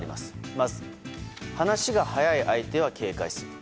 まず、話が早い相手は警戒する。